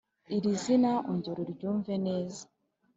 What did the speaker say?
iri zina ongera uryumve neza